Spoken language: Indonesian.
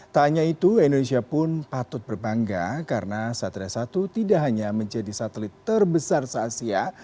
tak hanya itu indonesia pun patut berbangga karena satria satu tidak hanya menjadi satelit terbesar se asia